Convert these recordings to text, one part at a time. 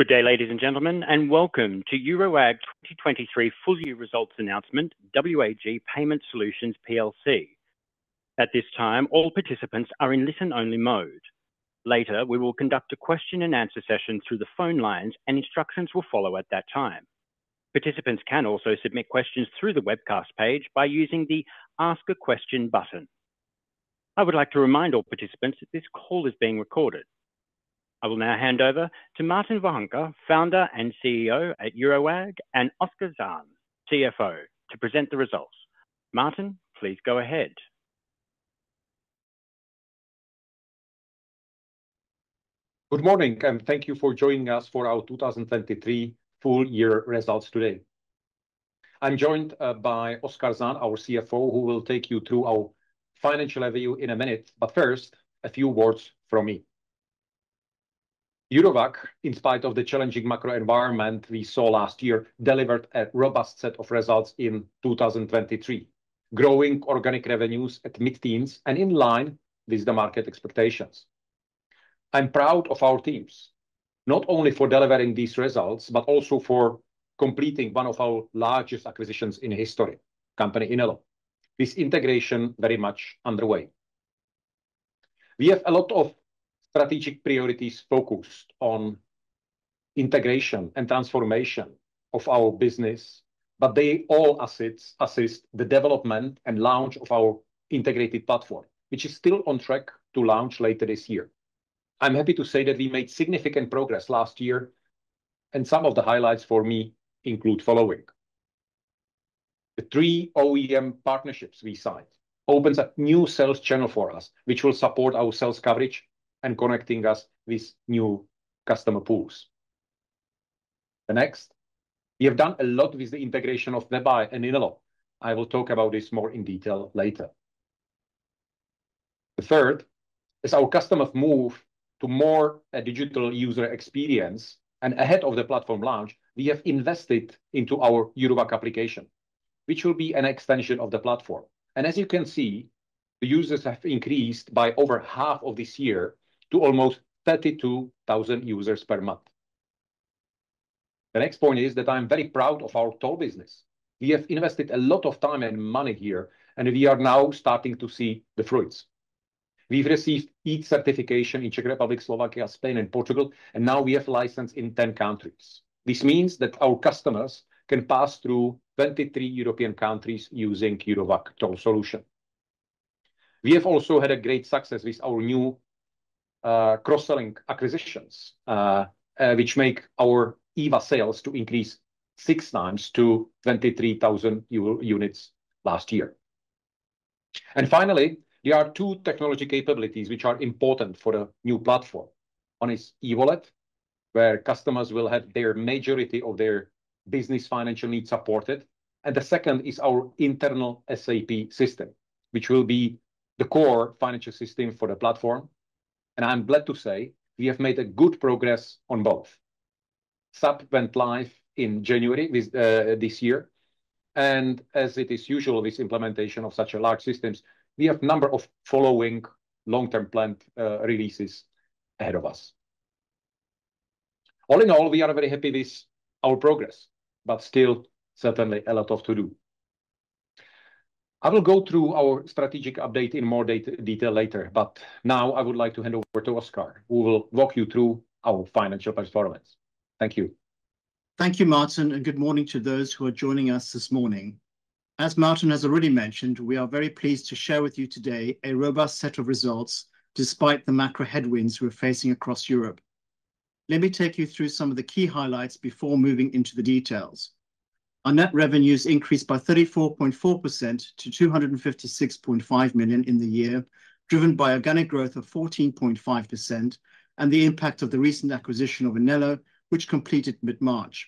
Good day, ladies and gentlemen, and welcome to Eurowag 2023 full-year results announcement, W.A.G Payment Solutions plc. At this time, all participants are in listen-only mode. Later, we will conduct a question-and-answer session through the phone lines, and instructions will follow at that time. Participants can also submit questions through the webcast page by using the "Ask a Question" button. I would like to remind all participants that this call is being recorded. I will now hand over to Martin Vohánka, founder and CEO at Eurowag, and Oskar Zahn, CFO, to present the results. Martin, please go ahead. Good morning, and thank you for joining us for our 2023 full-year results today. I'm joined by Oskar Zahn, our CFO, who will take you through our financial review in a minute, but first, a few words from me. Eurowag, in spite of the challenging macro environment we saw last year, delivered a robust set of results in 2023, growing organic revenues at mid-teens and in line with the market expectations. I'm proud of our teams, not only for delivering these results but also for completing one of our largest acquisitions in history, company Inelo, with integration very much underway. We have a lot of strategic priorities focused on integration and transformation of our business, but they all assist the development and launch of our integrated platform, which is still on track to launch later this year. I'm happy to say that we made significant progress last year, and some of the highlights for me include the following: the 3 OEM partnerships we signed opened a new sales channel for us, which will support our sales coverage and connect us with new customer pools. Next, we have done a lot with the integration of WebEye and Inelo. I will talk about this more in detail later. The third is our customers move to more a digital user experience, and ahead of the platform launch, we have invested into our Eurowag application, which will be an extension of the platform. And as you can see, the users have increased by over half of this year to almost 32,000 users per month. The next point is that I'm very proud of our toll business. We have invested a lot of time and money here, and we are now starting to see the fruits. We've received EETS certification in Czech Republic, Slovakia, Spain, and Portugal, and now we have licensed in 10 countries. This means that our customers can pass through 23 European countries using Eurowag toll solution. We have also had great success with our new cross-selling acquisitions, which make our EVA sales increase 6 times to 23,000 units last year. Finally, there are 2 technology capabilities which are important for the new platform. One is e-wallet, where customers will have their majority of their business financial needs supported. The second is our internal SAP system, which will be the core financial system for the platform. I'm glad to say we have made good progress on both. SAP went live in January this year. As it is usual with implementation of such large systems, we have a number of following long-term planned releases ahead of us. All in all, we are very happy with our progress, but still certainly a lot to do. I will go through our strategic update in more detail later, but now I would like to hand over to Oskar, who will walk you through our financial performance. Thank you. Thank you, Martin, and good morning to those who are joining us this morning. As Martin has already mentioned, we are very pleased to share with you today a robust set of results despite the macro headwinds we're facing across Europe. Let me take you through some of the key highlights before moving into the details. Our net revenues increased by 34.4% to 256.5 million in the year, driven by organic growth of 14.5% and the impact of the recent acquisition of Inelo, which completed mid-March.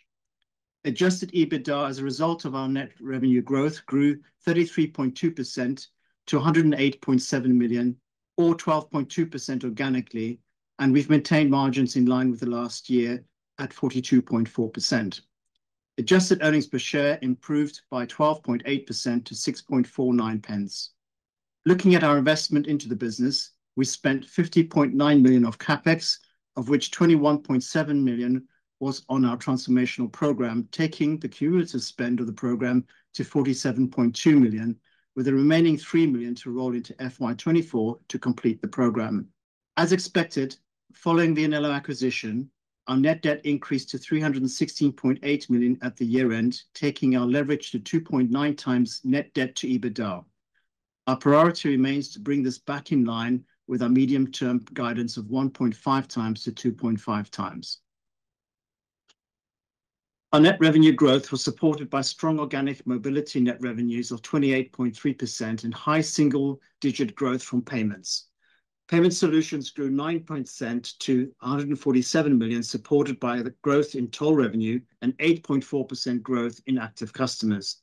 Adjusted EBITDA as a result of our net revenue growth grew 33.2% to 108.7 million, or 12.2% organically, and we've maintained margins in line with the last year at 42.4%. Adjusted earnings per share improved by 12.8% to 0.0649. Looking at our investment into the business, we spent 50.9 million of CAPEX, of which 21.7 million was on our transformational program, taking the cumulative spend of the program to 47.2 million, with the remaining 3 million to roll into FY 2024 to complete the program. As expected, following the Inelo acquisition, our net debt increased to 316.8 million at the year-end, taking our leverage to 2.9x net debt to EBITDA. Our priority remains to bring this back in line with our medium-term guidance of 1.5x-2.5x. Our net revenue growth was supported by strong organic mobility net revenues of 28.3% and high single-digit growth from payments. Payment solutions grew 9.7% to 147 million, supported by the growth in toll revenue and 8.4% growth in active customers.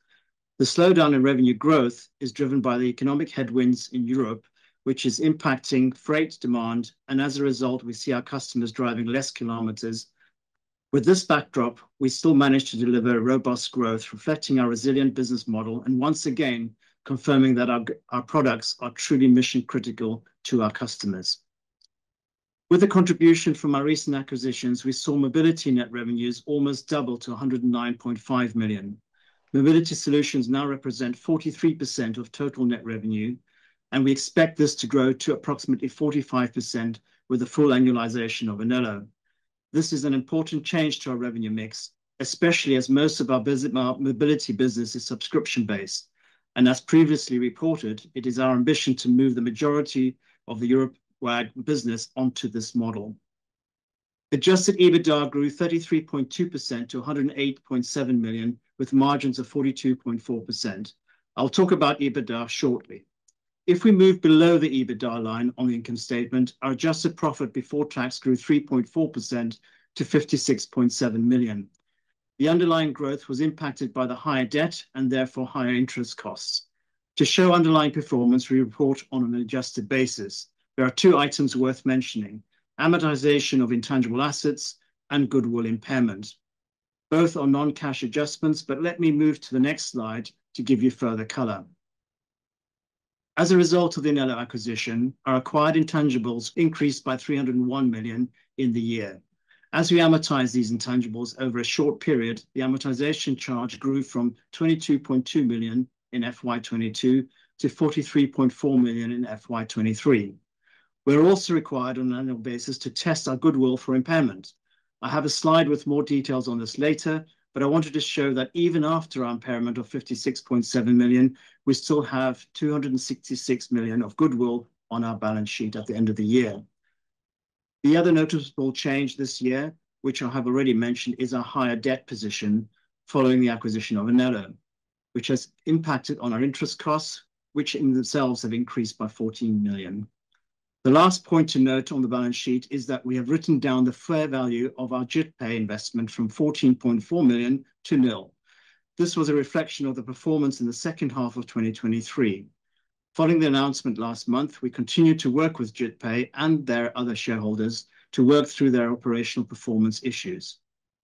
The slowdown in revenue growth is driven by the economic headwinds in Europe, which is impacting freight demand, and as a result, we see our customers driving less kilometers. With this backdrop, we still managed to deliver robust growth, reflecting our resilient business model and once again confirming that our products are truly mission-critical to our customers. With the contribution from our recent acquisitions, we saw mobility net revenues almost double to 109.5 million. Mobility solutions now represent 43% of total net revenue, and we expect this to grow to approximately 45% with the full annualization of Inelo. This is an important change to our revenue mix, especially as most of our mobility business is subscription-based, and as previously reported, it is our ambition to move the majority of the Eurowag business onto this model. Adjusted EBITDA grew 33.2% to 108.7 million, with margins of 42.4%. I'll talk about EBITDA shortly. If we move below the EBITDA line on the income statement, our adjusted profit before tax grew 3.4% to 56.7 million. The underlying growth was impacted by the higher debt and therefore higher interest costs. To show underlying performance, we report on an adjusted basis. There are two items worth mentioning: amortization of intangible assets and goodwill impairment. Both are non-cash adjustments, but let me move to the next slide to give you further color. As a result of the Inelo acquisition, our acquired intangibles increased by 301 million in the year. As we amortize these intangibles over a short period, the amortization charge grew from 22.2 million in FY 2022 to 43.4 million in FY 2023. We're also required on an annual basis to test our goodwill for impairment. I have a slide with more details on this later, but I wanted to show that even after our impairment of 56.7 million, we still have 266 million of goodwill on our balance sheet at the end of the year. The other noticeable change this year, which I have already mentioned, is our higher debt position following the acquisition of Inelo, which has impacted on our interest costs, which in themselves have increased by 14 million. The last point to note on the balance sheet is that we have written down the fair value of our JITPAY investment from 14.4 million to nil. This was a reflection of the performance in the second half of 2023. Following the announcement last month, we continued to work with JITPAY and their other shareholders to work through their operational performance issues.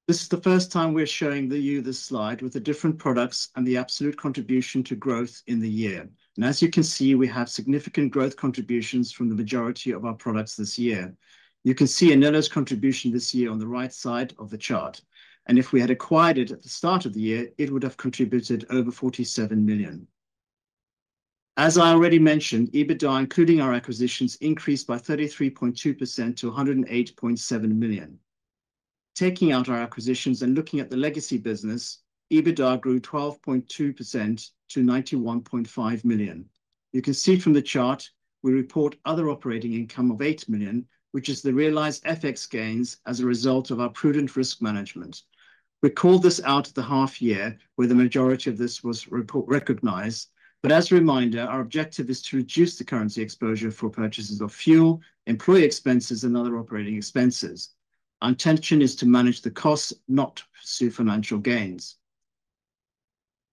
This is the first time we're showing you this slide with the different products and the absolute contribution to growth in the year. As you can see, we have significant growth contributions from the majority of our products this year. You can see Inelo's contribution this year on the right side of the chart. If we had acquired it at the start of the year, it would have contributed over 47 million. As I already mentioned, EBITDA, including our acquisitions, increased by 33.2% to 108.7 million. Taking out our acquisitions and looking at the legacy business, EBITDA grew 12.2% to 91.5 million. You can see from the chart, we report other operating income of 8 million, which is the realized FX gains as a result of our prudent risk management. We called this out at the half-year where the majority of this was recognized, but as a reminder, our objective is to reduce the currency exposure for purchases of fuel, employee expenses, and other operating expenses. Our intention is to manage the costs, not pursue financial gains.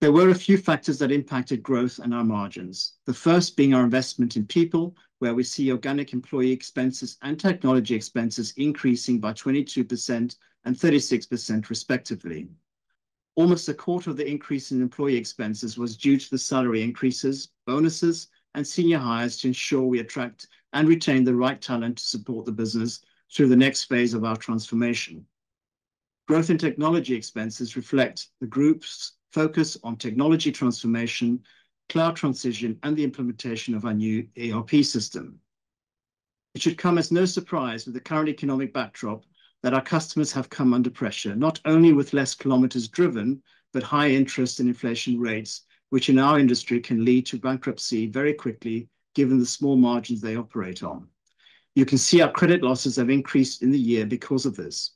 There were a few factors that impacted growth and our margins, the first being our investment in people, where we see organic employee expenses and technology expenses increasing by 22% and 36% respectively. Almost a quarter of the increase in employee expenses was due to the salary increases, bonuses, and senior hires to ensure we attract and retain the right talent to support the business through the next phase of our transformation. Growth in technology expenses reflect the group's focus on technology transformation, cloud transition, and the implementation of our new ERP system. It should come as no surprise with the current economic backdrop that our customers have come under pressure, not only with fewer kilometers driven but high interest and inflation rates, which in our industry can lead to bankruptcy very quickly given the small margins they operate on. You can see our credit losses have increased in the year because of this.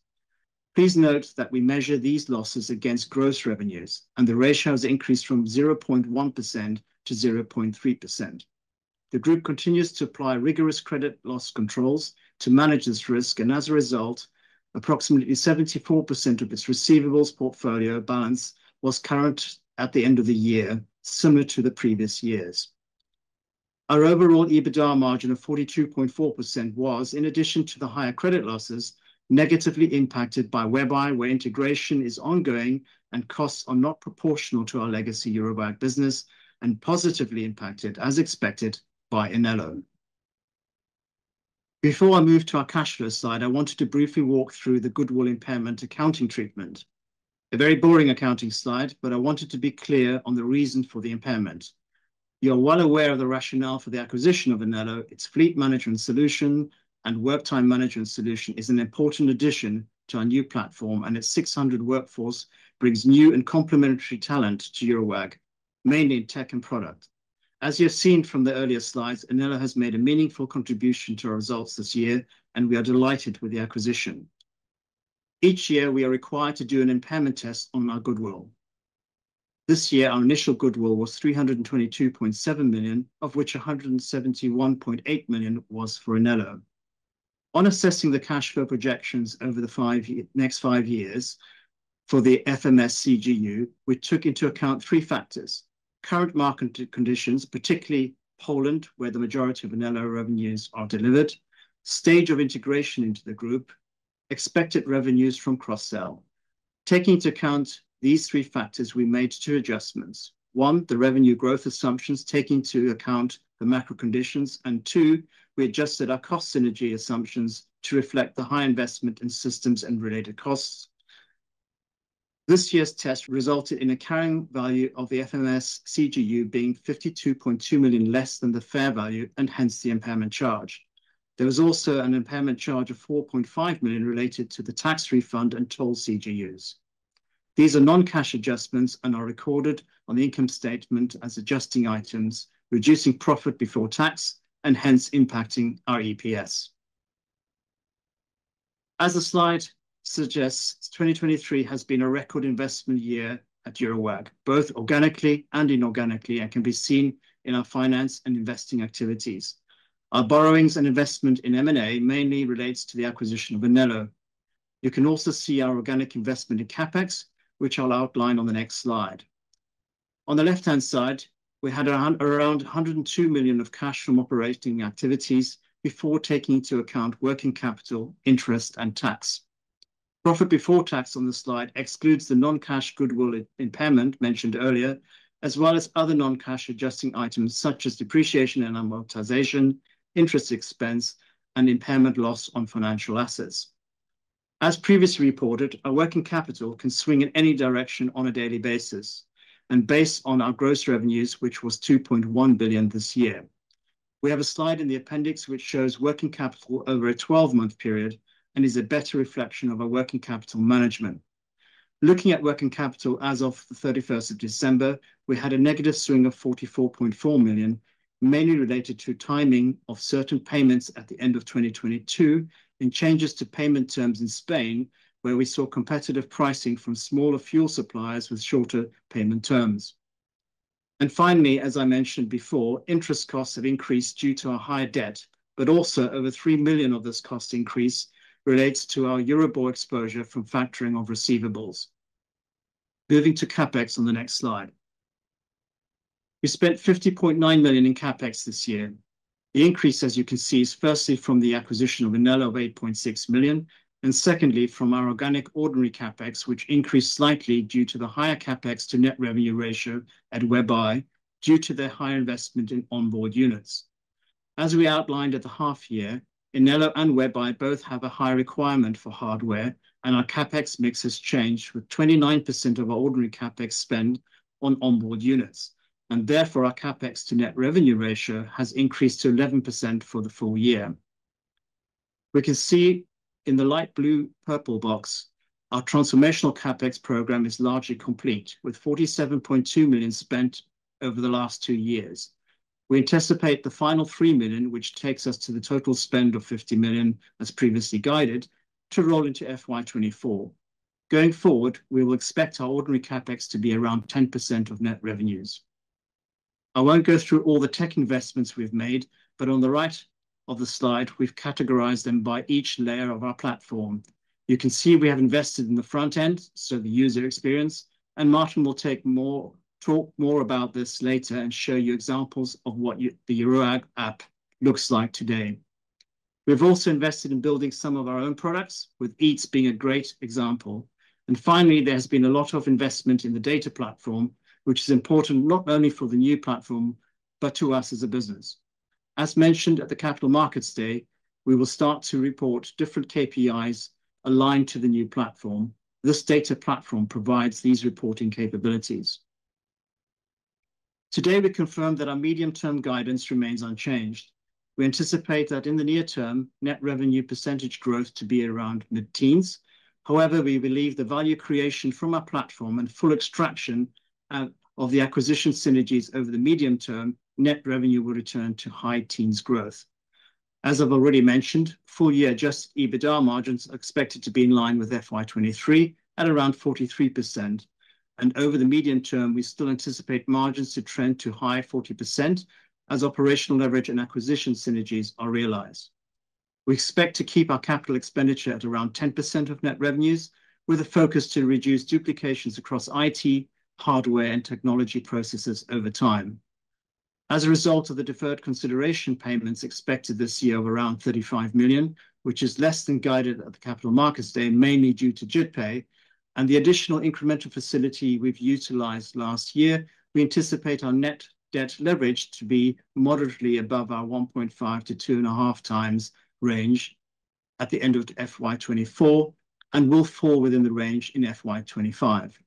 Please note that we measure these losses against gross revenues, and the ratio has increased from 0.1% to 0.3%. The group continues to apply rigorous credit loss controls to manage this risk, and as a result, approximately 74% of its receivables portfolio balance was current at the end of the year, similar to the previous years. Our overall EBITDA margin of 42.4% was, in addition to the higher credit losses, negatively impacted by WebEye, where integration is ongoing and costs are not proportional to our legacy Eurowag business, and positively impacted, as expected, by Inelo. Before I move to our cash flow side, I wanted to briefly walk through the goodwill impairment accounting treatment. A very boring accounting slide, but I wanted to be clear on the reason for the impairment. You are well aware of the rationale for the acquisition of Inelo. Its fleet management solution and work-time management solution is an important addition to our new platform, and its 600 workforce brings new and complementary talent to Eurowag, mainly in tech and product. As you have seen from the earlier slides, Inelo has made a meaningful contribution to our results this year, and we are delighted with the acquisition. Each year, we are required to do an impairment test on our goodwill. This year, our initial goodwill was 322.7 million, of which 171.8 million was for Inelo. On assessing the cash flow projections over the next five years for the FMS CGU, we took into account three factors: current market conditions, particularly Poland, where the majority of Inelo revenues are delivered, stage of integration into the group, expected revenues from cross-sell. Taking into account these three factors, we made two adjustments: one, the revenue growth assumptions, taking into account the macro conditions, and two, we adjusted our cost synergy assumptions to reflect the high investment in systems and related costs. This year's test resulted in a carrying value of the FMS CGU being 52.2 million less than the fair value and hence the impairment charge. There was also an impairment charge of 4.5 million related to the tax refund and toll CGUs. These are non-cash adjustments and are recorded on the income statement as adjusting items, reducing profit before tax, and hence impacting our EPS. As the slide suggests, 2023 has been a record investment year at Eurowag, both organically and inorganically, and can be seen in our finance and investing activities. Our borrowings and investment in M&A mainly relates to the acquisition of Inelo. You can also see our organic investment in CAPEX, which I'll outline on the next slide. On the left-hand side, we had around 102 million of cash from operating activities before taking into account working capital, interest, and tax. Profit before tax on the slide excludes the non-cash goodwill impairment mentioned earlier, as well as other non-cash adjusting items such as depreciation and amortization, interest expense, and impairment loss on financial assets. As previously reported, our working capital can swing in any direction on a daily basis and based on our gross revenues, which was 2.1 billion this year. We have a slide in the appendix which shows working capital over a 12-month period and is a better reflection of our working capital management. Looking at working capital as of the 31st of December, we had a negative swing of 44.4 million, mainly related to timing of certain payments at the end of 2022 and changes to payment terms in Spain, where we saw competitive pricing from smaller fuel suppliers with shorter payment terms. Finally, as I mentioned before, interest costs have increased due to our higher debt, but also over 3 million of this cost increase relates to our Euribor exposure from factoring of receivables. Moving to CAPEX on the next slide. We spent 50.9 million in CAPEX this year. The increase, as you can see, is firstly from the acquisition of Inelo of 8.6 million and secondly from our organic ordinary CAPEX, which increased slightly due to the higher CAPEX to net revenue ratio at WebEye due to their higher investment in onboard units. As we outlined at the half-year, Inelo and WebEye both have a high requirement for hardware, and our CAPEX mix has changed with 29% of our ordinary CAPEX spend on onboard units, and therefore our CAPEX to net revenue ratio has increased to 11% for the full year. We can see in the light blue-purple box, our transformational CAPEX program is largely complete with 47.2 million spent over the last two years. We anticipate the final 3 million, which takes us to the total spend of 50 million as previously guided, to roll into FY 2024. Going forward, we will expect our ordinary CAPEX to be around 10% of net revenues. I won't go through all the tech investments we've made, but on the right of the slide, we've categorized them by each layer of our platform. You can see we have invested in the front-end, so the user experience, and Martin will talk more about this later and show you examples of what the Eurowag app looks like today. We've also invested in building some of our own products, with EETS being a great example. And finally, there has been a lot of investment in the data platform, which is important not only for the new platform but to us as a business. As mentioned at the Capital Markets Day, we will start to report different KPIs aligned to the new platform. This data platform provides these reporting capabilities. Today, we confirm that our medium-term guidance remains unchanged. We anticipate that in the near term, net revenue percentage growth to be around mid-teens. However, we believe the value creation from our platform and full extraction of the acquisition synergies over the medium-term net revenue will return to high teens growth. As I've already mentioned, full-year adjusted EBITDA margins are expected to be in line with FY23 at around 43%, and over the medium-term, we still anticipate margins to trend to high 40% as operational leverage and acquisition synergies are realized. We expect to keep our capital expenditure at around 10% of net revenues, with a focus to reduce duplications across IT, hardware, and technology processes over time. As a result of the deferred consideration payments expected this year of around 35 million, which is less than guided at the Capital Markets Day mainly due to JITPAY, and the additional incremental facility we've utilized last year, we anticipate our net debt leverage to be moderately above our 1.5-2.5 times range at the end of FY 2024 and will fall within the range in FY 2025.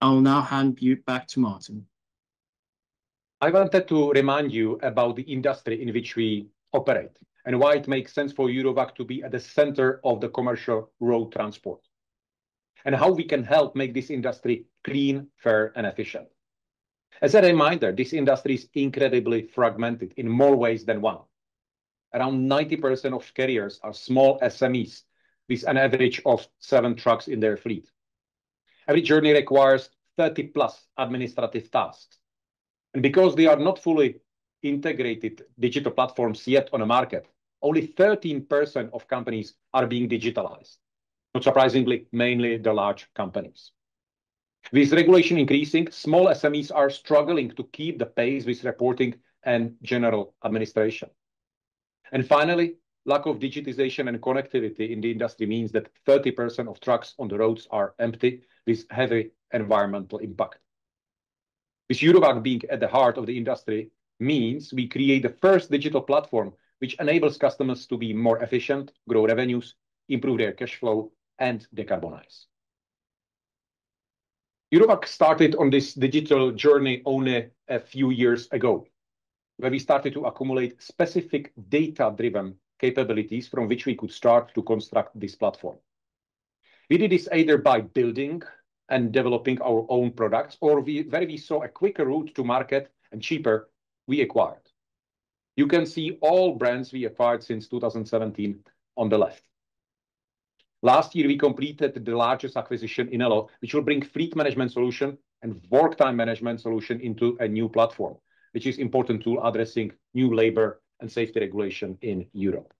I will now hand you back to Martin. I wanted to remind you about the industry in which we operate and why it makes sense for Eurowag to be at the center of the commercial road transport and how we can help make this industry clean, fair, and efficient. As a reminder, this industry is incredibly fragmented in more ways than one. Around 90% of carriers are small SMEs with an average of seven trucks in their fleet. Every journey requires 30-plus administrative tasks. Because they are not fully integrated digital platforms yet on the market, only 13% of companies are being digitized, not surprisingly, mainly the large companies. With regulation increasing, small SMEs are struggling to keep the pace with reporting and general administration. Finally, lack of digitization and connectivity in the industry means that 30% of trucks on the roads are empty with heavy environmental impact. With Eurowag being at the heart of the industry means we create the first digital platform which enables customers to be more efficient, grow revenues, improve their cash flow, and decarbonise. Eurowag started on this digital journey only a few years ago, where we started to accumulate specific data-driven capabilities from which we could start to construct this platform. We did this either by building and developing our own products, or where we saw a quicker route to market and cheaper, we acquired. You can see all brands we acquired since 2017 on the left. Last year, we completed the largest acquisition, Inelo, which will bring fleet management solution and work-time management solution into a new platform, which is an important tool addressing new labor and safety regulation in Europe.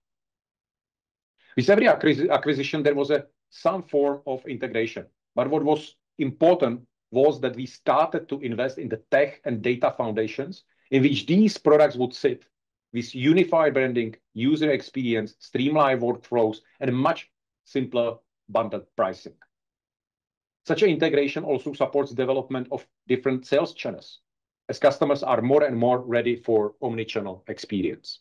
With every acquisition, there was some form of integration, but what was important was that we started to invest in the tech and data foundations in which these products would sit with unified branding, user experience, streamlined workflows, and much simpler bundled pricing. Such an integration also supports the development of different sales channels as customers are more and more ready for omnichannel experience.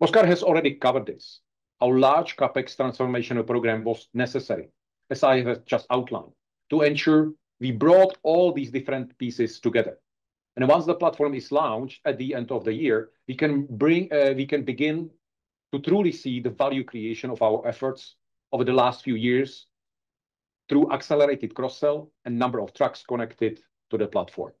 Oskar has already covered this. Our large CAPEX transformational program was necessary, as I have just outlined, to ensure we brought all these different pieces together. Once the platform is launched at the end of the year, we can begin to truly see the value creation of our efforts over the last few years through accelerated cross-sell and a number of trucks connected to the platform.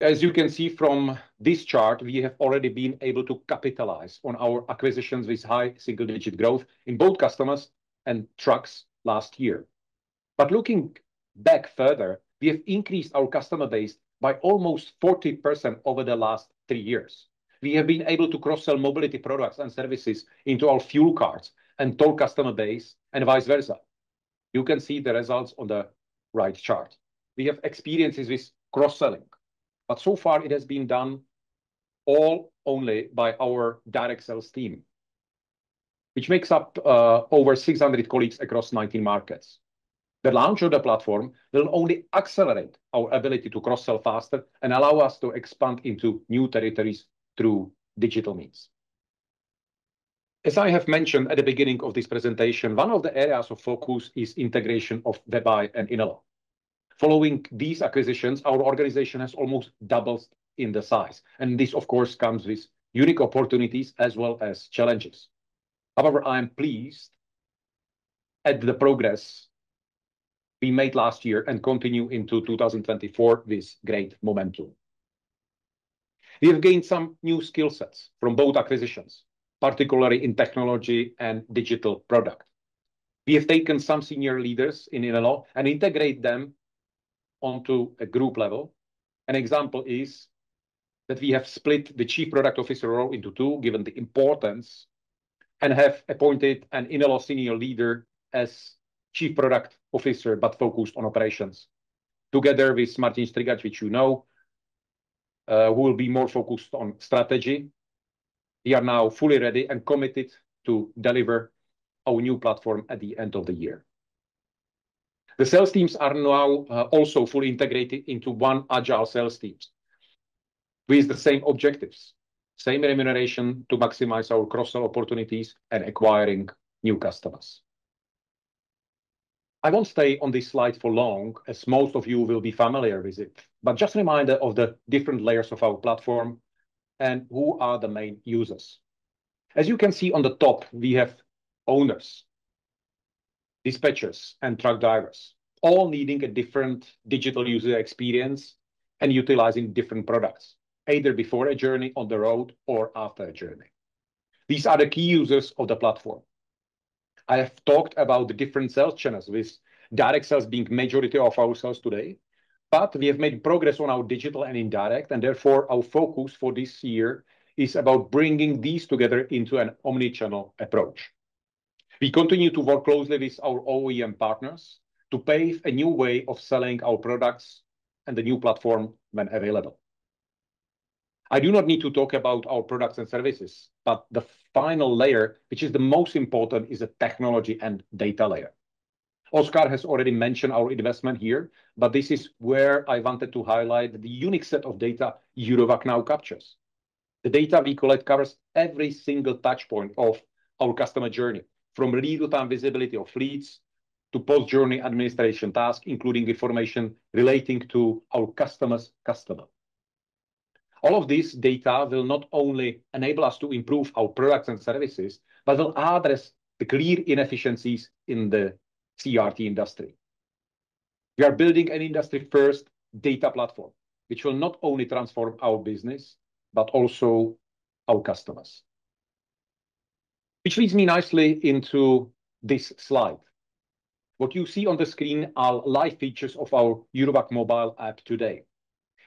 As you can see from this chart, we have already been able to capitalize on our acquisitions with high single-digit growth in both customers and trucks last year. But looking back further, we have increased our customer base by almost 40% over the last three years. We have been able to cross-sell mobility products and services into our fuel cards and toll customer base and vice versa. You can see the results on the right chart. We have experiences with cross-selling, but so far it has been done all only by our direct sales team, which makes up over 600 colleagues across 19 markets. The launch of the platform will only accelerate our ability to cross-sell faster and allow us to expand into new territories through digital means. As I have mentioned at the beginning of this presentation, one of the areas of focus is integration of WebEye and Inelo. Following these acquisitions, our organization has almost doubled in size, and this, of course, comes with unique opportunities as well as challenges. However, I am pleased at the progress we made last year and continue into 2024 with great momentum. We have gained some new skill sets from both acquisitions, particularly in technology and digital product. We have taken some senior leaders in Inelo and integrated them onto a group level. An example is that we have split the Chief Product Officer role into two, given the importance, and have appointed an Inelo senior leader as Chief Product Officer but focused on operations together with Martin Strigač, which you know, who will be more focused on strategy. We are now fully ready and committed to deliver our new platform at the end of the year. The sales teams are now also fully integrated into one agile sales team with the same objectives, same remuneration to maximize our cross-sell opportunities and acquiring new customers. I won't stay on this slide for long, as most of you will be familiar with it, but just a reminder of the different layers of our platform and who are the main users. As you can see on the top, we have owners, dispatchers, and truck drivers all needing a different digital user experience and utilizing different products either before a journey on the road or after a journey. These are the key users of the platform. I have talked about the different sales channels with direct sales being the majority of our sales today, but we have made progress on our digital and indirect, and therefore our focus for this year is about bringing these together into an omnichannel approach. We continue to work closely with our OEM partners to pave a new way of selling our products and the new platform when available. I do not need to talk about our products and services, but the final layer, which is the most important, is the technology and data layer. Oskar has already mentioned our investment here, but this is where I wanted to highlight the unique set of data Eurowag now captures. The data we collect covers every single touchpoint of our customer journey, from real-time visibility of fleets to post-journey administration tasks, including information relating to our customer's customer. All of this data will not only enable us to improve our products and services but will address the clear inefficiencies in the CRT industry. We are building an industry-first data platform which will not only transform our business but also our customers, which leads me nicely into this slide. What you see on the screen are live features of our Eurowag mobile app today.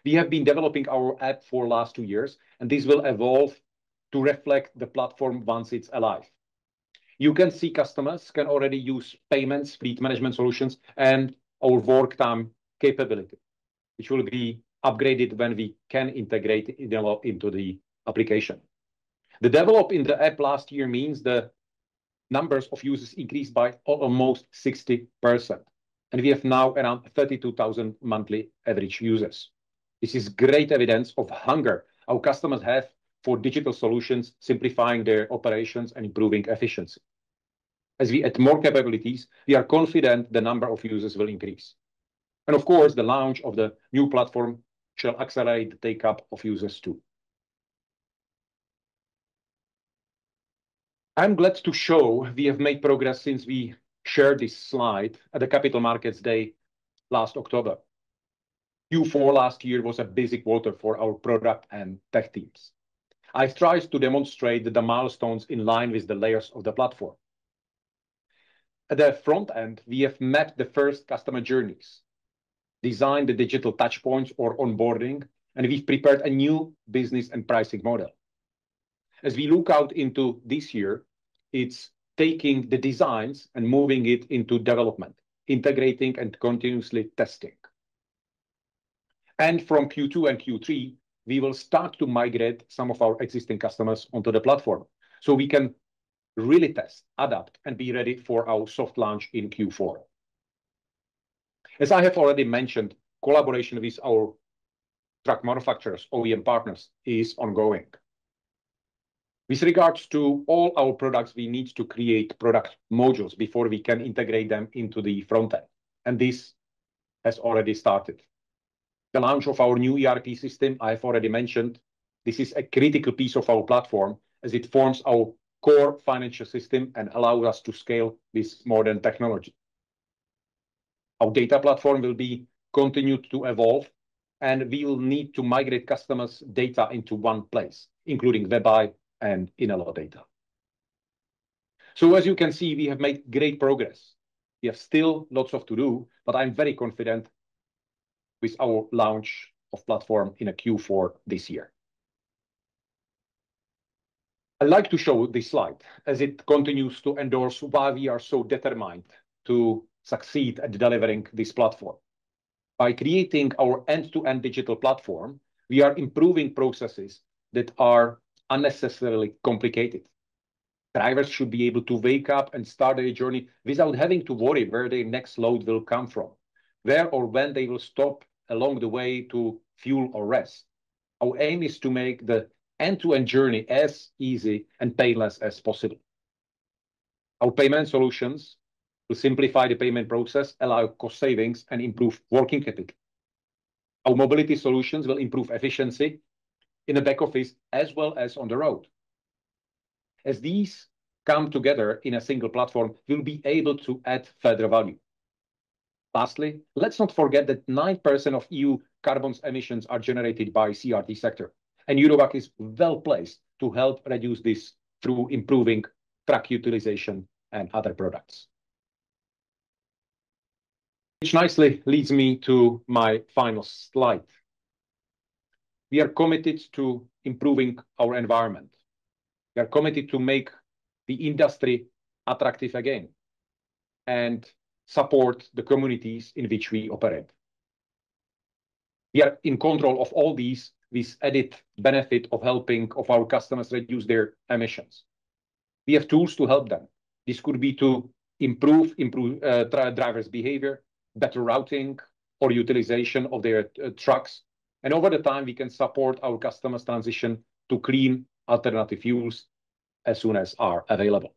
We have been developing our app for the last two years, and this will evolve to reflect the platform once it's alive. You can see customers can already use payments, fleet management solutions, and our work-time capability, which will be upgraded when we can integrate Inelo into the application. The development in the app last year means the numbers of users increased by almost 60%, and we have now around 32,000 monthly average users. This is great evidence of the hunger our customers have for digital solutions, simplifying their operations and improving efficiency. As we add more capabilities, we are confident the number of users will increase. And of course, the launch of the new platform shall accelerate the take-up of users too. I'm glad to show we have made progress since we shared this slide at the Capital Markets Day last October. Q4 last year was a baptism by fire for our product and tech teams. I've tried to demonstrate the milestones in line with the layers of the platform. At the front-end, we have mapped the first customer journeys, designed the digital touchpoints for onboarding, and we've prepared a new business and pricing model. As we look out into this year, it's taking the designs and moving it into development, integrating, and continuously testing. And from Q2 and Q3, we will start to migrate some of our existing customers onto the platform so we can really test, adapt, and be ready for our soft launch in Q4. As I have already mentioned, collaboration with our truck manufacturers, OEM partners, is ongoing. With regards to all our products, we need to create product modules before we can integrate them into the front-end, and this has already started. The launch of our new ERP system, I have already mentioned, this is a critical piece of our platform as it forms our core financial system and allows us to scale with modern technology. Our data platform will continue to evolve, and we will need to migrate customers' data into one place, including WebEye and Inelo data. So as you can see, we have made great progress. We still have lots to do, but I'm very confident with our launch of the platform in Q4 this year. I'd like to show this slide as it continues to endorse why we are so determined to succeed at delivering this platform. By creating our end-to-end digital platform, we are improving processes that are unnecessarily complicated. Drivers should be able to wake up and start their journey without having to worry where their next load will come from, where or when they will stop along the way to fuel or rest. Our aim is to make the end-to-end journey as easy and painless as possible. Our payment solutions will simplify the payment process, allow cost savings, and improve working capital. Our mobility solutions will improve efficiency in the back office as well as on the road. As these come together in a single platform, we'll be able to add further value. Lastly, let's not forget that 9% of EU carbon emissions are generated by the CRT sector, and Eurowag is well placed to help reduce this through improving truck utilization and other products, which nicely leads me to my final slide. We are committed to improving our environment. We are committed to make the industry attractive again and support the communities in which we operate. We are in control of all these with the added benefit of helping our customers reduce their emissions. We have tools to help them. This could be to improve drivers' behavior, better routing, or utilization of their trucks. Over time, we can support our customers' transition to clean alternative fuels as soon as they are available.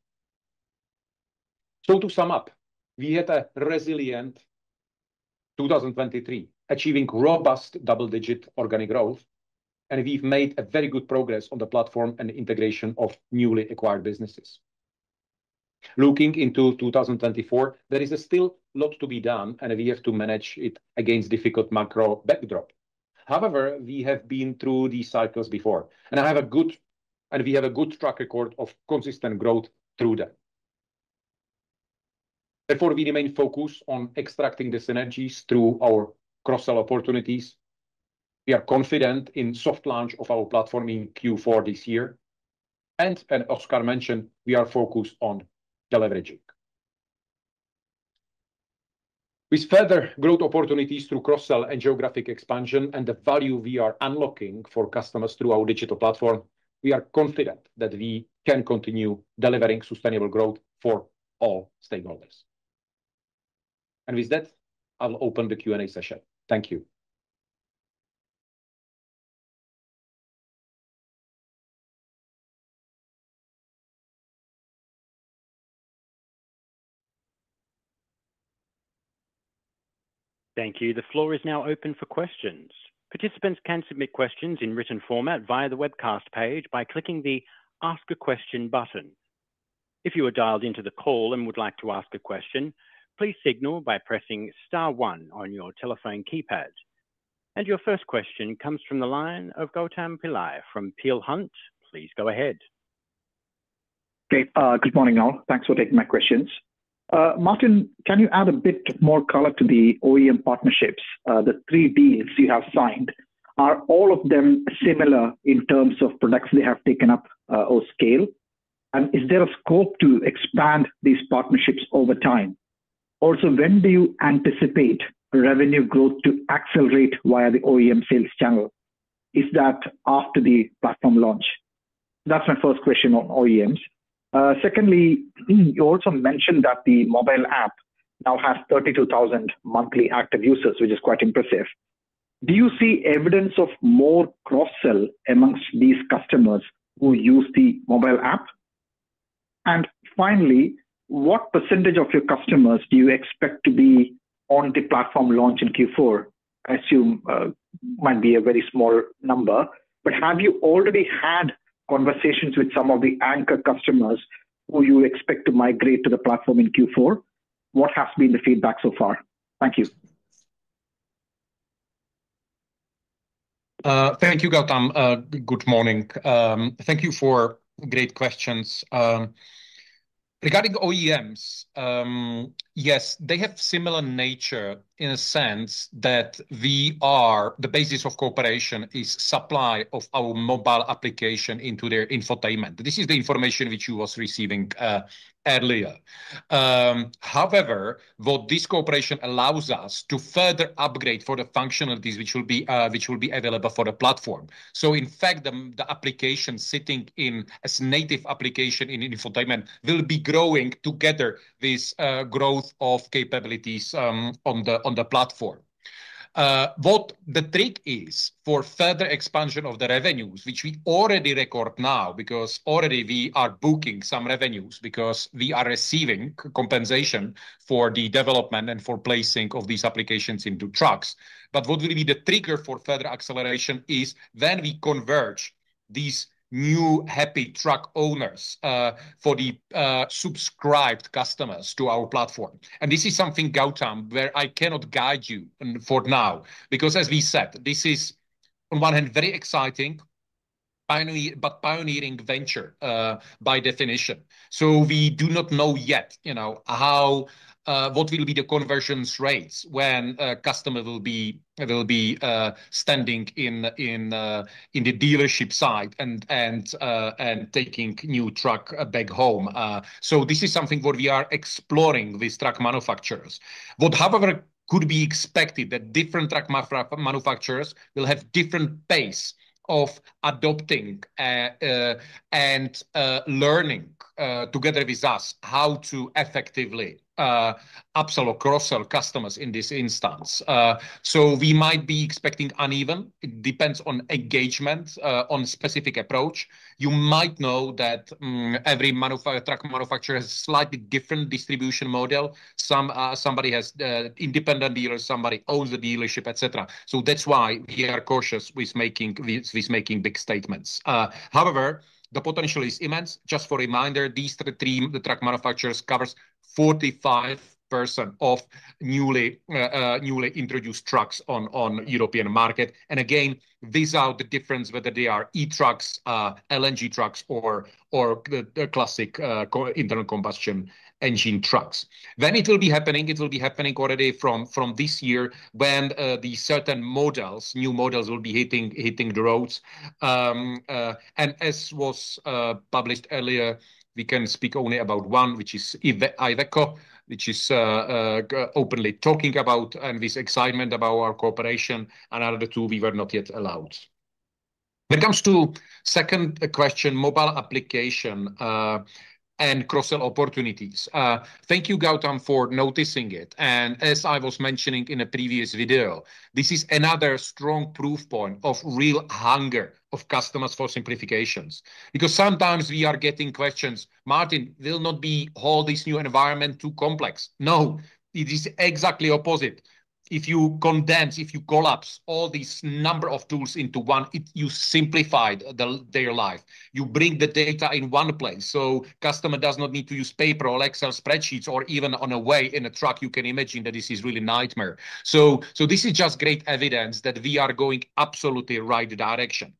To sum up, we had a resilient 2023 achieving robust double-digit organic growth, and we've made very good progress on the platform and integration of newly acquired businesses. Looking into 2024, there is still a lot to be done, and we have to manage it against a difficult macro backdrop. However, we have been through these cycles before, and we have a good track record of consistent growth through them. Therefore, we remain focused on extracting the synergies through our cross-sell opportunities. We are confident in the soft launch of our platform in Q4 this year. As Oskar mentioned, we are focused on deleveraging with further growth opportunities through cross-sell and geographic expansion and the value we are unlocking for customers through our digital platform. We are confident that we can continue delivering sustainable growth for all stakeholders. With that, I'll open the Q&A session. Thank you. Thank you. The floor is now open for questions. Participants can submit questions in written format via the webcast page by clicking the Ask a Question button. If you are dialed into the call and would like to ask a question, please signal by pressing star one on your telephone keypad. Your first question comes from the line of Gautam Pillai from Peel Hunt. Please go ahead. Okay. Good morning, all. Thanks for taking my questions. Martin, can you add a bit more color to the OEM partnerships? The 3 deals you have signed, are all of them similar in terms of products they have taken up or scale? And is there a scope to expand these partnerships over time? Also, when do you anticipate revenue growth to accelerate via the OEM sales channel? Is that after the platform launch? That's my first question on OEMs. Secondly, you also mentioned that the mobile app now has 32,000 monthly active users, which is quite impressive. Do you see evidence of more cross-sell amongst these customers who use the mobile app? And finally, what percentage of your customers do you expect to be on the platform launch in Q4? I assume it might be a very small number, but have you already had conversations with some of the anchor customers who you expect to migrate to the platform in Q4? What has been the feedback so far? Thank you. Thank you, Gautam. Good morning. Thank you for great questions. Regarding OEMs, yes, they have a similar nature in a sense that the basis of cooperation is the supply of our mobile application into their infotainment. This is the information which you were receiving earlier. However, what this cooperation allows us is to further upgrade the functionalities which will be available for the platform. So in fact, the application sitting in as a native application in infotainment will be growing together with the growth of capabilities on the platform. What the trick is for further expansion of the revenues, which we already record now because already we are booking some revenues because we are receiving compensation for the development and for placing these applications into trucks. But what will be the trigger for further acceleration is when we converge these new happy truck owners for the subscribed customers to our platform. And this is something, Gautam, where I cannot guide you for now because, as we said, this is on one hand very exciting, but pioneering venture by definition. So we do not know yet what will be the conversion rates when a customer will be standing in the dealership site and taking a new truck back home. So this is something what we are exploring with truck manufacturers. What, however, could be expected is that different truck manufacturers will have a different pace of adopting and learning together with us how to effectively upsell or cross-sell customers in this instance. So we might be expecting unevenness. It depends on engagement, on a specific approach. You might know that every truck manufacturer has a slightly different distribution model. Somebody has an independent dealer, somebody owns the dealership, etc. So that's why we are cautious with making big statements. However, the potential is immense. Just for a reminder, this stream, the truck manufacturers cover 45% of newly introduced trucks on the European market. And again, without the difference whether they are e-trucks, LNG trucks, or the classic internal combustion engine trucks, then it will be happening. It will be happening already from this year when certain models, new models, will be hitting the roads. And as was published earlier, we can speak only about one, which is Iveco, which is openly talking about and with excitement about our cooperation. Another two, we were not yet allowed. When it comes to the second question, mobile application and cross-sell opportunities, thank you, Gautam, for noticing it. As I was mentioning in a previous video, this is another strong proof point of real hunger for customers for simplifications because sometimes we are getting questions, "Martin, will not be all this new environment too complex?" No, it is exactly the opposite. If you condense, if you collapse all these number of tools into one, you simplify their life. You bring the data in one place. So the customer does not need to use paper or Excel spreadsheets, or even on the way in a truck, you can imagine that this is really a nightmare. So this is just great evidence that we are going absolutely in the right direction.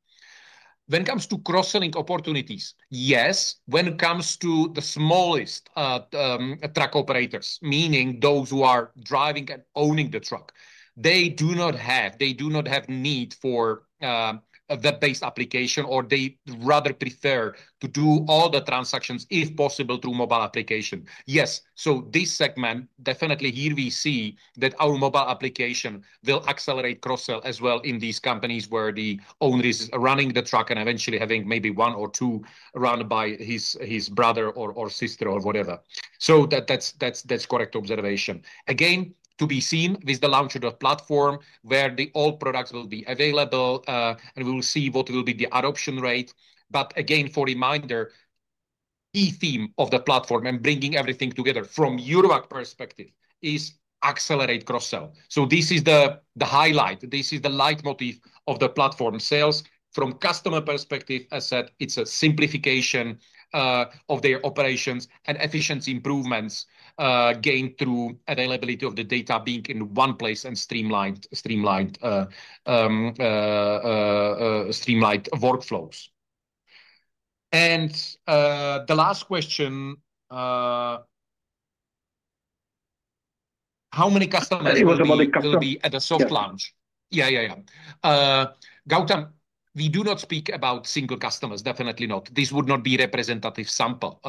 When it comes to cross-selling opportunities, yes, when it comes to the smallest truck operators, meaning those who are driving and owning the truck, they do not have the need for a web-based application, or they rather prefer to do all the transactions, if possible, through a mobile application. Yes. So this segment, definitely here we see that our mobile application will accelerate cross-sell as well in these companies where the owner is running the truck and eventually having maybe one or two run by his brother or sister or whatever. So that's a correct observation. Again, to be seen with the launch of the platform where all products will be available, and we will see what will be the adoption rate. But again, for a reminder, the theme of the platform and bringing everything together from the Eurowag perspective is to accelerate cross-sell. So this is the highlight. This is the leitmotif of the platform sales. From the customer perspective, as I said, it's a simplification of their operations and efficiency improvements gained through the availability of the data being in one place and streamlined workflows. The last question, how many customers will be at the soft launch? Yeah, yeah, yeah. Gautam, we do not speak about single customers. Definitely not. This would not be a representative sample.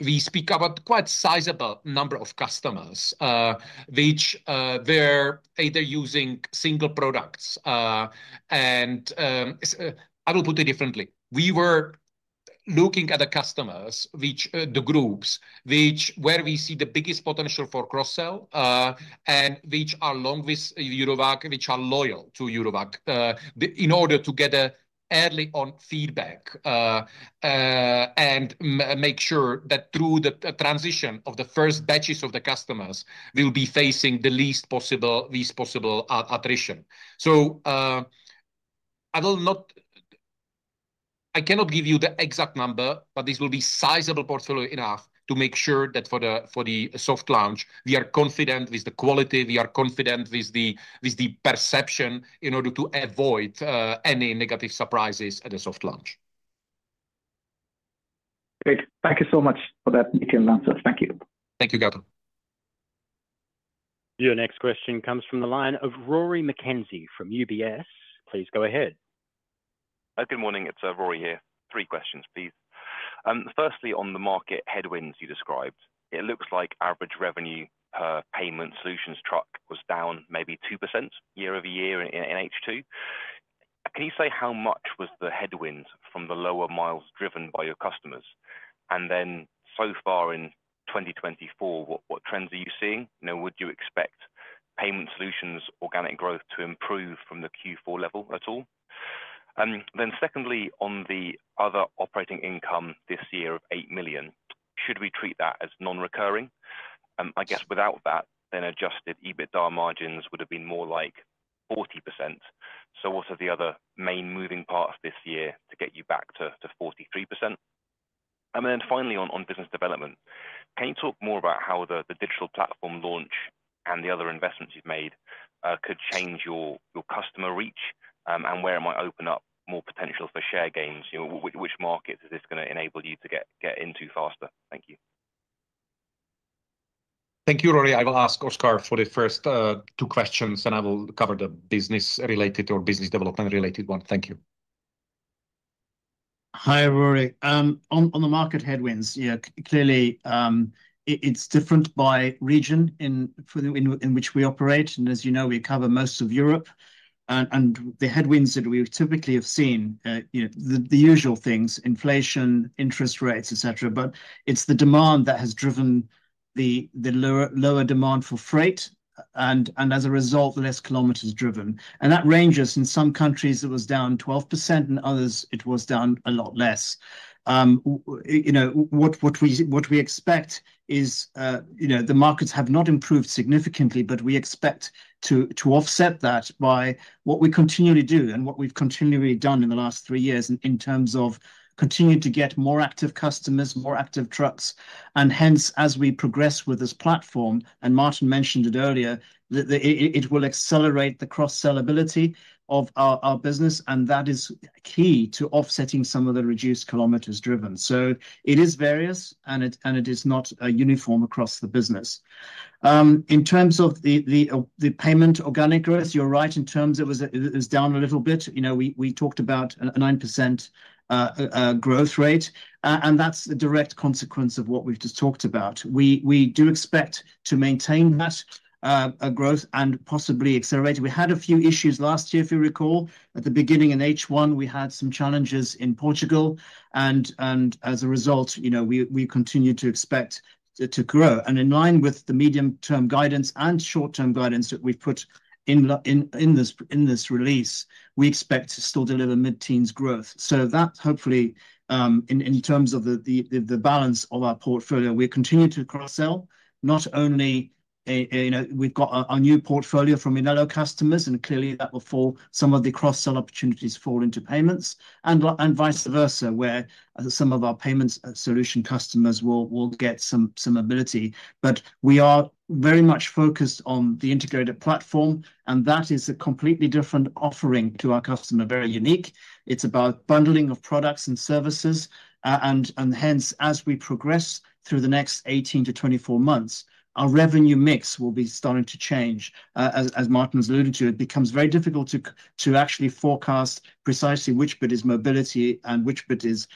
We speak about a quite sizable number of customers who were either using single products. I will put it differently. We were looking at the customers, the groups where we see the biggest potential for cross-sell and which are long with Eurowag, which are loyal to Eurowag, in order to get early-on feedback and make sure that through the transition of the first batches of the customers, we will be facing the least possible attrition. So I cannot give you the exact number, but this will be a sizable portfolio enough to make sure that for the soft launch, we are confident with the quality. We are confident with the perception in order to avoid any negative surprises at the soft launch. Great. Thank you so much for that detailed answer. Thank you. Thank you, Gautam. Your next question comes from the line of Rory McKenzie from UBS. Please go ahead. Good morning. It's Rory here. Three questions, please. Firstly, on the market headwinds you described, it looks like average revenue per payment solutions truck was down maybe 2% year-over-year in H2. Can you say how much was the headwind from the lower miles driven by your customers? And then so far in 2024, what trends are you seeing? Would you expect payment solutions organic growth to improve from the Q4 level at all? Then secondly, on the other operating income this year of 8 million, should we treat that as non-recurring? I guess without that, then adjusted EBITDA margins would have been more like 40%. So what are the other main moving parts this year to get you back to 43%? Finally, on business development, can you talk more about how the digital platform launch and the other investments you've made could change your customer reach and where it might open up more potential for share gains? Which markets is this going to enable you to get into faster? Thank you. Thank you, Rory. I will ask Oskar for the first two questions, and I will cover the business-related or business development-related one. Thank you. Hi, Rory. On the market headwinds, yeah, clearly, it's different by region in which we operate. As you know, we cover most of Europe. The headwinds that we typically have seen, the usual things: inflation, interest rates, etc. But it's the demand that has driven the lower demand for freight, and as a result, less kilometers driven. That ranges. In some countries, it was down 12%. In others, it was down a lot less. What we expect is the markets have not improved significantly, but we expect to offset that by what we continually do and what we've continually done in the last three years in terms of continuing to get more active customers, more active trucks. Hence, as we progress with this platform, and Martin mentioned it earlier, it will accelerate the cross-sellability of our business. That is key to offsetting some of the reduced kilometers driven. It is various, and it is not uniform across the business. In terms of the payment organic growth, you're right. In terms, it was down a little bit. We talked about a 9% growth rate, and that's a direct consequence of what we've just talked about. We do expect to maintain that growth and possibly accelerate it. We had a few issues last year, if you recall. At the beginning in H1, we had some challenges in Portugal. As a result, we continue to expect to grow. In line with the medium-term guidance and short-term guidance that we've put in this release, we expect to still deliver mid-teens growth. That, hopefully, in terms of the balance of our portfolio, we continue to cross-sell. Not only we've got our new portfolio from Inelo customers, and clearly, some of the cross-sell opportunities fall into payments and vice versa, where some of our payment solution customers will get some ability. But we are very much focused on the integrated platform, and that is a completely different offering to our customer, very unique. It's about bundling of products and services. And hence, as we progress through the next 18-24 months, our revenue mix will be starting to change. As Martin has alluded to, it becomes very difficult to actually forecast precisely which bit is mobility and which bit is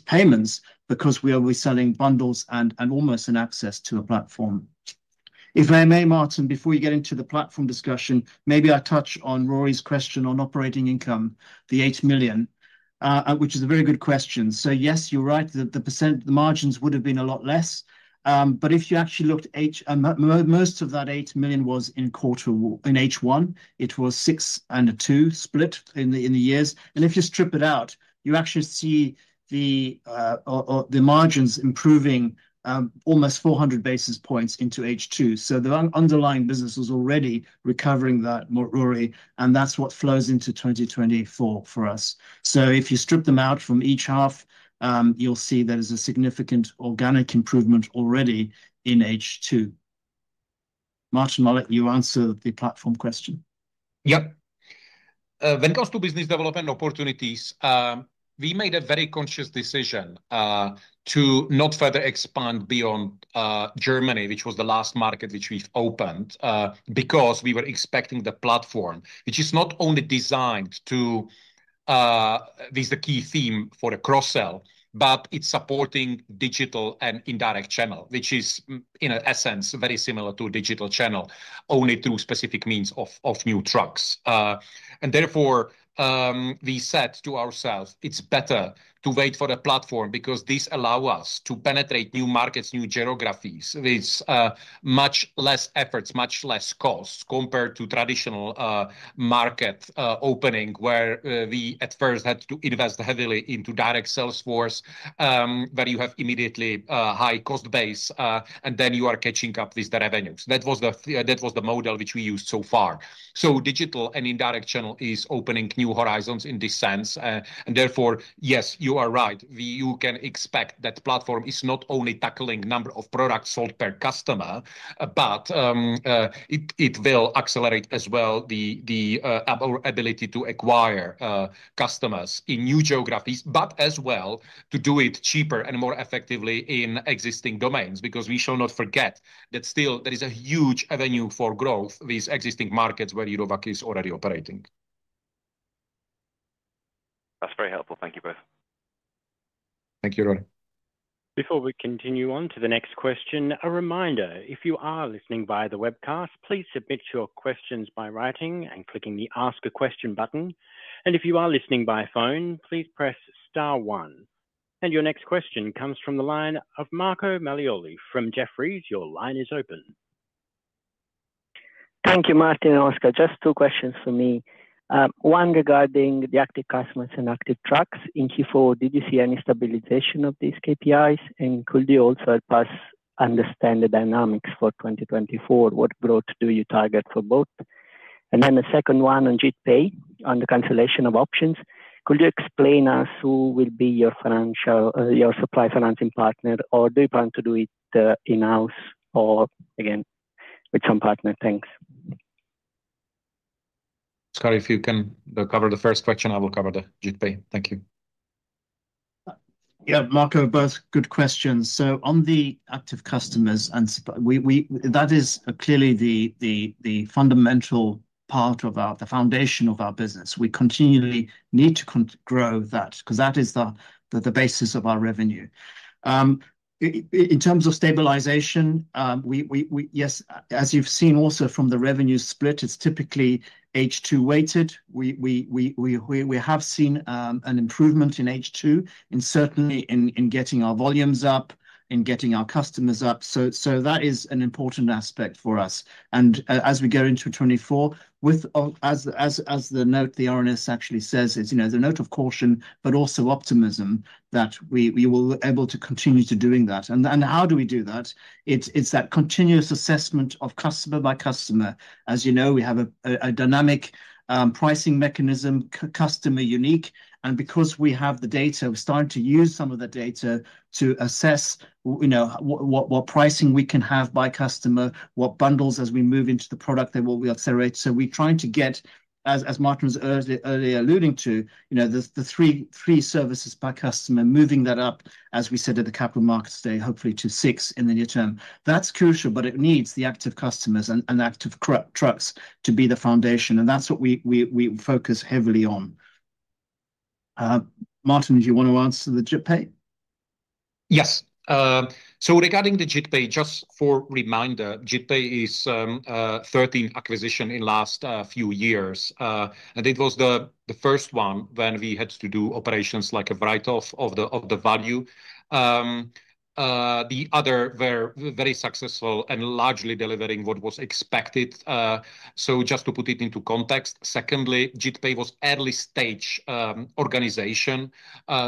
payments because we are reselling bundles and almost in access to a platform. If I may, Martin, before you get into the platform discussion, maybe I touch on Rory's question on operating income, the 8 million, which is a very good question. So yes, you're right. The margins would have been a lot less. But if you actually looked, most of that 8 million was in H1. It was 6 million and a 2 million split in the years. And if you strip it out, you actually see the margins improving almost 400 basis points into H2. So the underlying business was already recovering that, Rory, and that's what flows into 2024 for us. So if you strip them out from each half, you'll see there is a significant organic improvement already in H2. Martin, will you answer the platform question? Yep. When it comes to business development opportunities, we made a very conscious decision to not further expand beyond Germany, which was the last market which we've opened, because we were expecting the platform, which is not only designed to be the key theme for the cross-sell, but it's supporting digital and indirect channel, which is, in essence, very similar to digital channel, only through specific means of new trucks. And therefore, we said to ourselves, it's better to wait for the platform because this allows us to penetrate new markets, new geographies with much less efforts, much less costs compared to traditional market opening where we at first had to invest heavily into direct salesforce, where you have immediately a high cost base, and then you are catching up with the revenues. That was the model which we used so far. So digital and indirect channel is opening new horizons in this sense. And therefore, yes, you are right. You can expect that platform is not only tackling the number of products sold per customer, but it will accelerate as well the ability to acquire customers in new geographies, but as well to do it cheaper and more effectively in existing domains because we shall not forget that still there is a huge avenue for growth with existing markets where Eurowag is already operating. That's very helpful. Thank you both. Thank you, Rory. Before we continue on to the next question, a reminder, if you are listening via the webcast, please submit your questions by writing and clicking the Ask a Question button. If you are listening by phone, please press star one. Your next question comes from the line of Marco Nicolai from Jefferies. Your line is open. Thank you, Martin and Oskar. Just two questions for me. One, regarding the active customers and active trucks in Q4, did you see any stabilisation of these KPIs? And could you also help us understand the dynamics for 2024? What growth do you target for both? And then the second one on JITPAY, on the cancellation of options, could you explain to us who will be your supply financing partner, or do you plan to do it in-house or, again, with some partner? Thanks. Oskar, if you can cover the first question, I will cover the JITPAY. Thank you. Yeah, Marco, both good questions. So on the active customers, that is clearly the fundamental part of the foundation of our business. We continually need to grow that because that is the basis of our revenue. In terms of stabilisation, yes, as you've seen also from the revenue split, it's typically H2-weighted. We have seen an improvement in H2, certainly in getting our volumes up, in getting our customers up. So that is an important aspect for us. And as we go into 2024, as the note the RNS actually says, it's the note of caution, but also optimism that we will be able to continue to do that. And how do we do that? It's that continuous assessment of customer by customer. As you know, we have a dynamic pricing mechanism, customer unique. And because we have the data, we're starting to use some of that data to assess what pricing we can have by customer, what bundles as we move into the product, then what we accelerate. So we're trying to get, as Martin was earlier alluding to, the three services per customer, moving that up, as we said at the Capital Markets Day, hopefully to six in the near term. That's crucial, but it needs the active customers and active trucks to be the foundation. And that's what we focus heavily on. Martin, do you want to answer the JITPAY? Yes. So regarding the JITPAY, just for a reminder, JITPAY is a 13th acquisition in the last few years. It was the first one when we had to do operations like a write-off of the value. The others were very successful and largely delivering what was expected. So just to put it into context, secondly, JITPAY was an early-stage organization,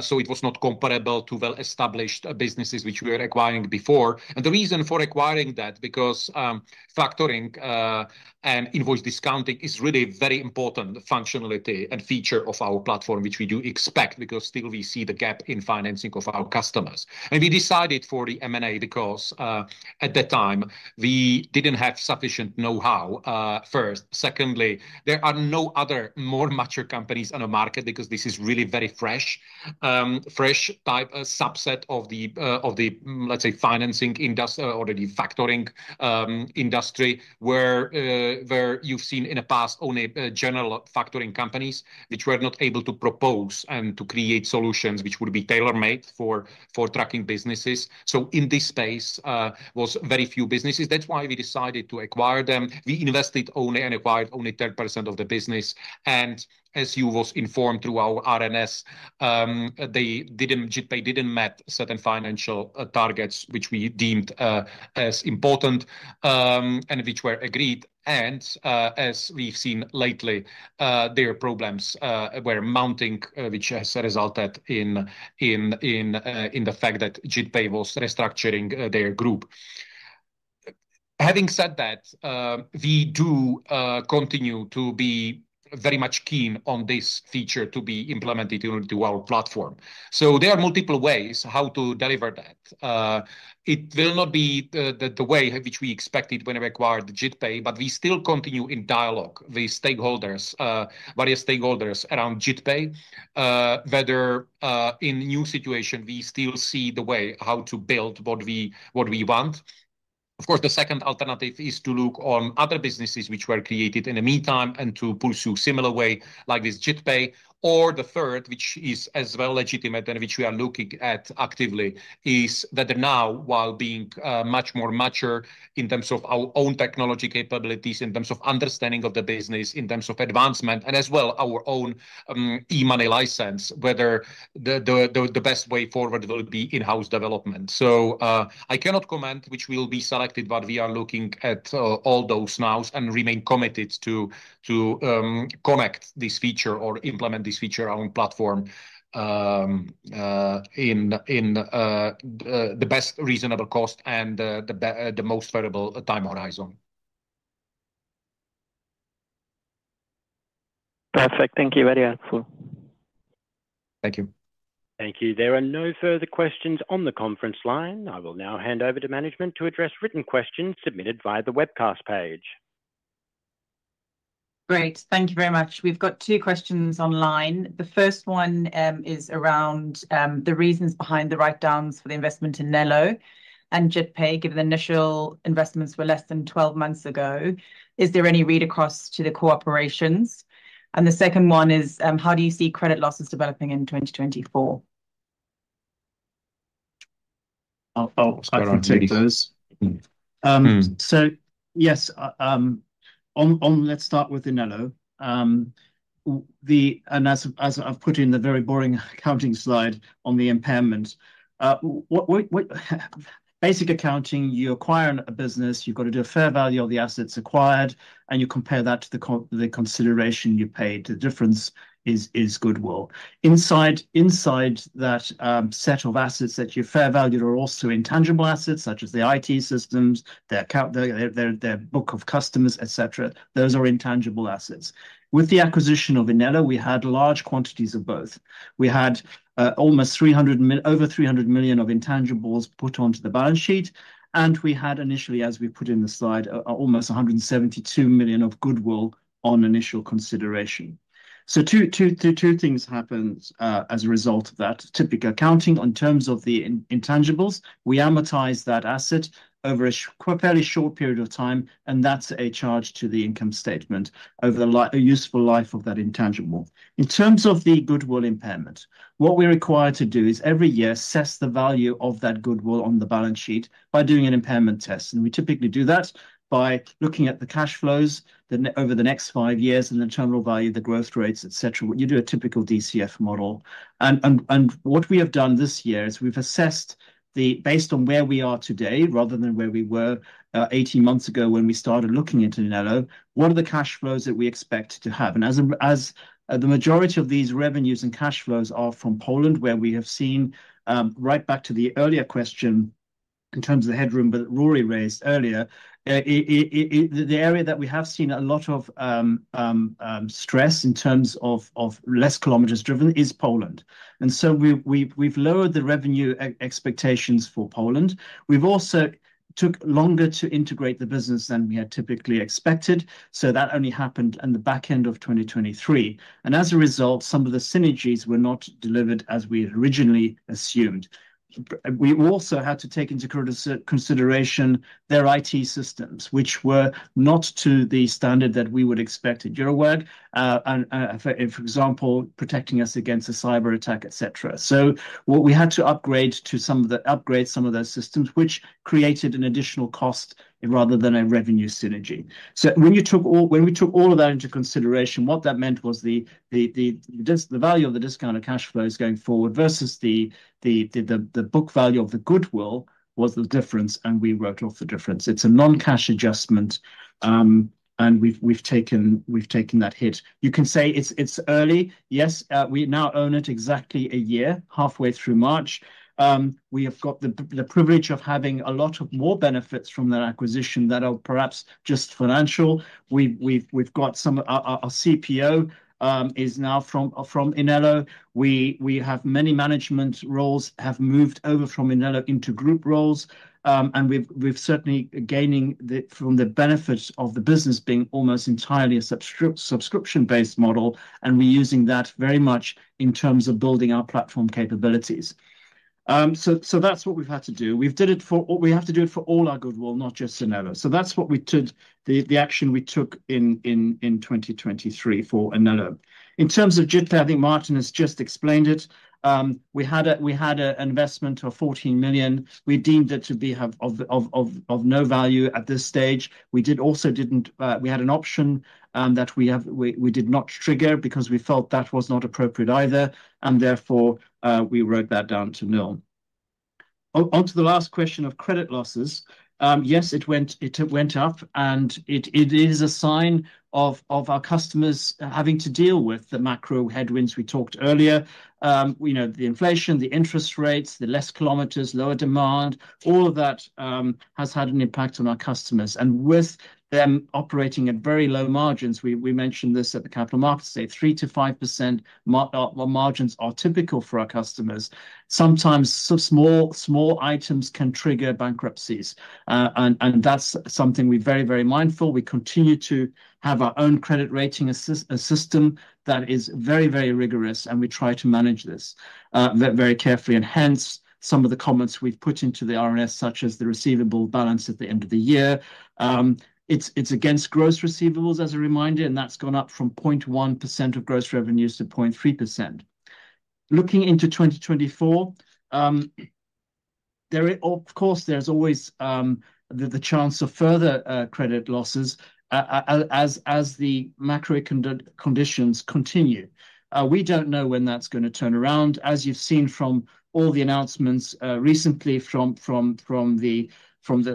so it was not comparable to well-established businesses which we were acquiring before. The reason for acquiring that is because factoring and invoice discounting is really a very important functionality and feature of our platform, which we do expect because still we see the gap in financing of our customers. We decided for the M&A because at the time, we didn't have sufficient know-how first. Secondly, there are no other more mature companies on the market because this is really a very fresh type subset of the, let's say, financing industry or the factoring industry where you've seen in the past only general factoring companies, which were not able to propose and to create solutions which would be tailor-made for trucking businesses. So in this space, there were very few businesses. That's why we decided to acquire them. We invested only and acquired only 10% of the business. And as you were informed through our RNS, JITPAY didn't meet certain financial targets which we deemed as important and which were agreed. And as we've seen lately, their problems were mounting, which has resulted in the fact that JITPAY was restructuring their group. Having said that, we do continue to be very much keen on this feature to be implemented into our platform. So there are multiple ways how to deliver that. It will not be the way which we expected when we acquired JITPAY, but we still continue in dialogue, various stakeholders around JITPAY, whether in a new situation, we still see the way how to build what we want. Of course, the second alternative is to look at other businesses which were created in the meantime and to pursue a similar way like this JITPAY. Or the third, which is as well legitimate and which we are looking at actively, is that now, while being much more mature in terms of our own technology capabilities, in terms of understanding of the business, in terms of advancement, and as well our own e-money license, whether the best way forward will be in-house development. So I cannot comment which will be selected, but we are looking at all those now and remain committed to connect this feature or implement this feature on our platform at the best reasonable cost and the most favorable time horizon. Perfect. Thank you. Very helpful. Thank you. Thank you. There are no further questions on the conference line. I will now hand over to management to address written questions submitted via the webcast page. Great. Thank you very much. We've got two questions online. The first one is around the reasons behind the write-downs for the investment in Inelo and JITPAY, given the initial investments were less than 12 months ago. Is there any read-across to the cooperations? And the second one is, how do you see credit losses developing in 2024? I'll take those. So yes, let's start with the Inelo. And as I've put in the very boring accounting slide on the impairment, basic accounting, you acquire a business, you've got to do a fair value of the assets acquired, and you compare that to the consideration you paid. The difference is goodwill. Inside that set of assets that you've fair-valued are also intangible assets, such as the IT systems, their book of customers, etc. Those are intangible assets. With the acquisition of Inelo, we had large quantities of both. We had over 300 million of intangibles put onto the balance sheet. And we had initially, as we put in the slide, almost 172 million of goodwill on initial consideration. So two things happened as a result of that. Typical accounting, in terms of the intangibles, we amortize that asset over a fairly short period of time, and that's a charge to the income statement over the useful life of that intangible. In terms of the goodwill impairment, what we're required to do is every year assess the value of that goodwill on the balance sheet by doing an impairment test. We typically do that by looking at the cash flows over the next five years and the turnover value, the growth rates, etc. You do a typical DCF model. What we have done this year is we've assessed, based on where we are today rather than where we were 18 months ago when we started looking into Inelo, what are the cash flows that we expect to have? As the majority of these revenues and cash flows are from Poland, where we have seen, right back to the earlier question in terms of the headroom that Rory raised earlier, the area that we have seen a lot of stress in terms of less kilometers driven is Poland. And so we've lowered the revenue expectations for Poland. We've also took longer to integrate the business than we had typically expected. So that only happened in the back end of 2023. And as a result, some of the synergies were not delivered as we had originally assumed. We also had to take into consideration their IT systems, which were not to the standard that we would expect at Eurowag, for example, protecting us against a cyber attack, etc. So we had to upgrade some of those systems, which created an additional cost rather than a revenue synergy. So when we took all of that into consideration, what that meant was the value of the discounted cash flows going forward versus the book value of the goodwill was the difference, and we wrote off the difference. It's a non-cash adjustment, and we've taken that hit. You can say it's early. Yes, we now own it exactly a year, halfway through March. We have got the privilege of having a lot of more benefits from that acquisition that are perhaps just financial. Our CPO is now from Inelo. Many management roles have moved over from Inelo into group roles. And we're certainly gaining from the benefits of the business being almost entirely a subscription-based model, and we're using that very much in terms of building our platform capabilities. So that's what we've had to do. We've done it for what we have to do it for all our goodwill, not just Inelo. So that's what we took the action we took in 2023 for Inelo. In terms of JITPAY, I think Martin has just explained it. We had an investment of 14 million. We deemed it to be of no value at this stage. We also didn't we had an option that we did not trigger because we felt that was not appropriate either. And therefore, we wrote that down to nil. Onto the last question of credit losses. Yes, it went up. It is a sign of our customers having to deal with the macro headwinds we talked earlier. The inflation, the interest rates, the less kilometers, lower demand, all of that has had an impact on our customers. With them operating at very low margins, we mentioned this at the Capital Markets Day, 3%-5% margins are typical for our customers. Sometimes small items can trigger bankruptcies. That's something we're very, very mindful. We continue to have our own credit rating system that is very, very rigorous, and we try to manage this very carefully. Hence, some of the comments we've put into the RNS, such as the receivable balance at the end of the year, it's against gross receivables as a reminder, and that's gone up from 0.1% of gross revenues to 0.3%. Looking into 2024, of course, there's always the chance of further credit losses as the macro conditions continue. We don't know when that's going to turn around. As you've seen from all the announcements recently from the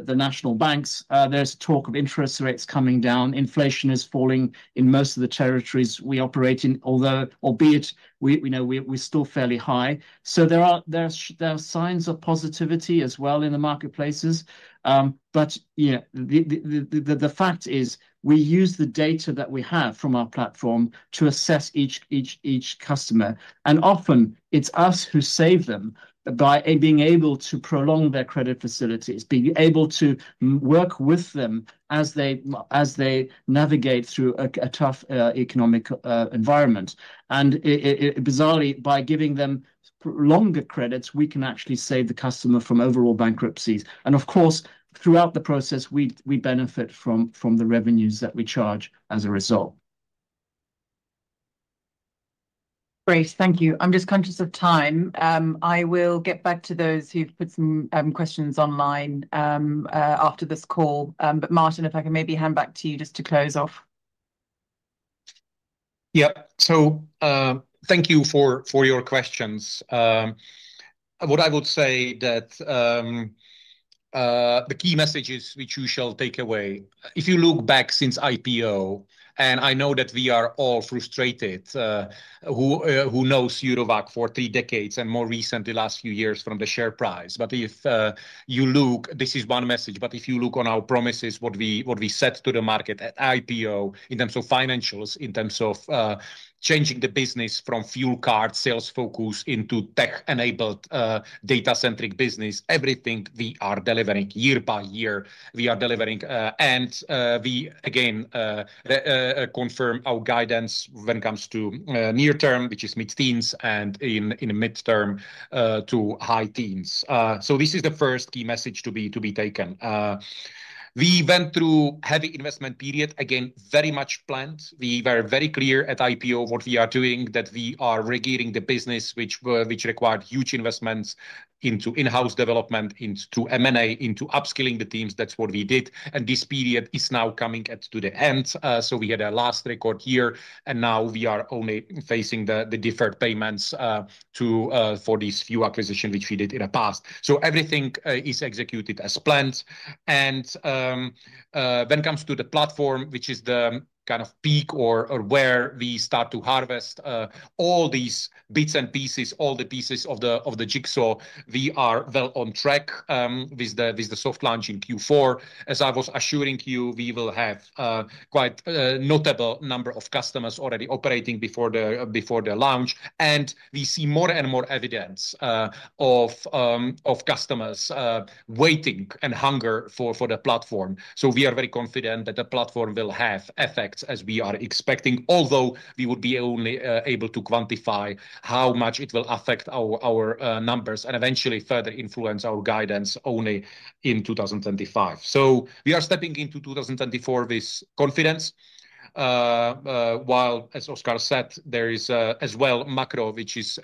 national banks, there's talk of interest rates coming down. Inflation is falling in most of the territories we operate in, albeit we know we're still fairly high. So there are signs of positivity as well in the marketplaces. But the fact is, we use the data that we have from our platform to assess each customer. And often, it's us who save them by being able to prolong their credit facilities, being able to work with them as they navigate through a tough economic environment. And bizarrely, by giving them longer credits, we can actually save the customer from overall bankruptcies. And of course, throughout the process, we benefit from the revenues that we charge as a result. Great. Thank you. I'm just conscious of time. I will get back to those who've put some questions online after this call. But Martin, if I can maybe hand back to you just to close off. Yep. So thank you for your questions. What I would say is that the key messages which you shall take away, if you look back since IPO, and I know that we are all frustrated, who knows Eurowag for three decades and more recently the last few years from the share price. But if you look, this is one message. But if you look on our promises, what we said to the market at IPO in terms of financials, in terms of changing the business from fuel card sales focus into tech-enabled, data-centric business, everything we are delivering year by year. We are delivering. And we, again, confirm our guidance when it comes to near-term, which is mid-teens, and in mid-term to high-teens. So this is the first key message to be taken. We went through a heavy investment period, again, very much planned. We were very clear at IPO what we are doing, that we are regearing the business, which required huge investments into in-house development, into M&A, into upskilling the teams. That's what we did. And this period is now coming to the end. So we had our last record here. And now we are only facing the deferred payments for these few acquisitions which we did in the past. So everything is executed as planned. And when it comes to the platform, which is the kind of peak or where we start to harvest all these bits and pieces, all the pieces of the jigsaw, we are well on track with the soft launch in Q4. As I was assuring you, we will have a quite notable number of customers already operating before the launch. And we see more and more evidence of customers waiting and hunger for the platform. So we are very confident that the platform will have effects as we are expecting, although we would be only able to quantify how much it will affect our numbers and eventually further influence our guidance only in 2025. So we are stepping into 2024 with confidence. While, as Oskar said, there is as well macro, which is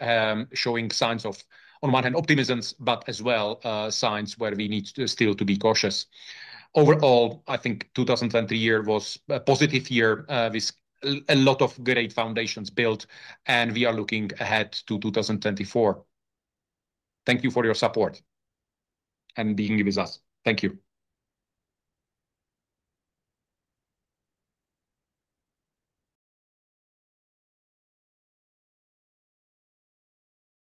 showing signs of, on one hand, optimisms, but as well signs where we need still to be cautious. Overall, I think 2023 was a positive year with a lot of great foundations built. And we are looking ahead to 2024. Thank you for your support and being with us. Thank you.